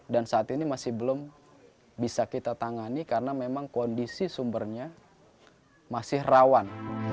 dan saat ini masih belum bisa kita tangani karena memang kondisi sumbernya masih rawan